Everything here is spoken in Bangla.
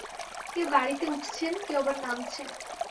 কেউ গাড়িতে উঠছেন, কেউ আবার নামছেন।